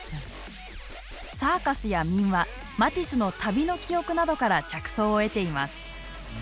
サーカスや民話マティスの旅の記憶などから着想を得ています。